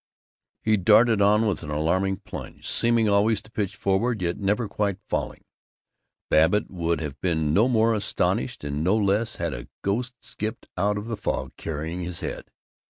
He darted on with an alarming plunge, seeming always to pitch forward yet never quite falling. Babbitt would have been no more astonished and no less had a ghost skipped out of the fog carrying his head.